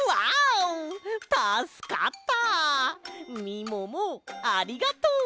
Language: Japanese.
みももありがとう。